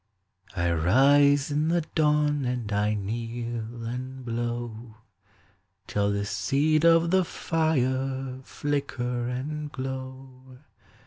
* I rise in the dawn, ami I kneel and blow Till the seed of the fire flicker and glow.